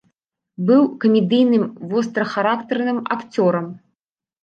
Быў камедыйным вострахарактарным акцёрам.